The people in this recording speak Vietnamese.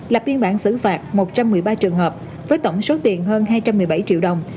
là biên bản xử phạt một trăm một mươi ba trường hợp với tổng số tiền hơn hai trăm một mươi bảy triệu đồng